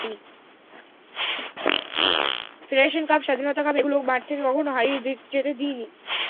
Federation cup, স্বাধীনতা cup এগুলো মাঠ থেকে কখনো হারিয়ে যেতে দিইনি।